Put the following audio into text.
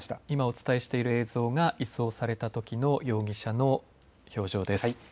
今、お伝えしている映像が移送されたときの容疑者の表情です。